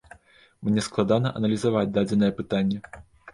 Мне складана аналізаваць дадзенае пытанне.